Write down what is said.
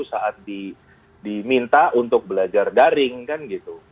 saat diminta untuk belajar daring kan gitu